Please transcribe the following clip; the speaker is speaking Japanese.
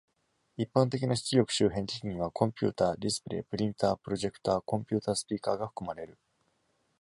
一般的な出力周辺機器には、コンピューターディスプレイ、プリンター、プロジェクター、コンピュータースピーカーが含まれる。